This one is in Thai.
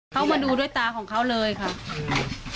เขามาดูด้วยตาของเขาเลยค่ะ